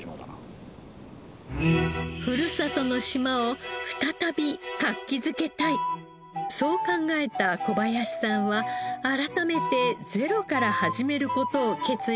ふるさとの島を再び活気づけたいそう考えた小林さんは改めてゼロから始める事を決意しました。